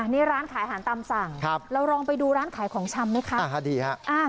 นี่ร้านขายอาหารตามสั่งครับเราลองไปดูร้านขายของชำไหมคะดีฮะอ่า